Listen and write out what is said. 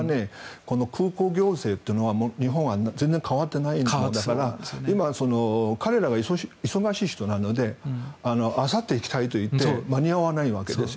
空港行政というのは日本は全然変わってないものだから彼らは忙しい人なのであさって行きたいと言っても間に合わないんです。